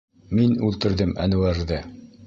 Мин үлтерҙем Әнүәрҙе!